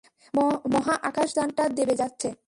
মহাকাশযানটা দেবে যাচ্ছে।